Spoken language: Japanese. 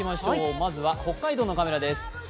まずは北海道のカメラです。